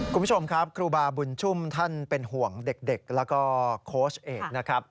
คุณผู้ชมครับครูบาบุญชุ่มท่านเป็นห่วงเด็กแล้วก็โค้ชเอกนะครับ